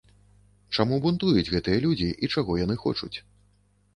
Чаму бунтуюць гэтыя людзі і чаго яны хочуць?